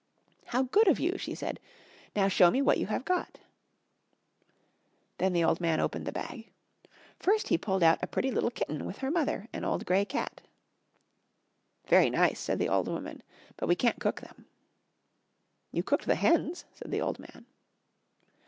"How good of you," she said. "Now show me what you have got." Then the old man opened the bag. First he pulled out a pretty little kitten with her mother, an old grey cat. "Very nice," said the old woman, "but we can't cook them." "You cooked the hens," said the old man.